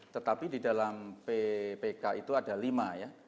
tetapi di dalam ppk itu ada lima ya